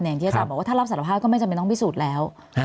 อย่างที่อาจารย์บอกว่าถ้ารับสารภาพก็ไม่จำเป็นต้องพิสูจน์แล้ว